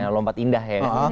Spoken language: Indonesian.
lompat indah ya